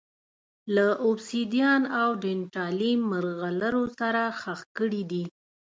له اوبسیدیان او ډینټالیم مرغلرو سره ښخ کړي دي